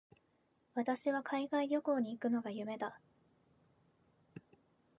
私は海外旅行に行くのが夢だ。